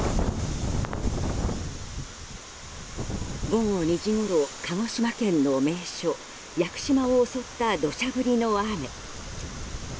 午後２時ごろ、鹿児島県の名所屋久島を襲った土砂降りの雨。